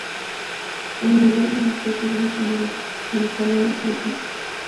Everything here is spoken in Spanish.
El medidor de energía se llena cuando sale a la superficie.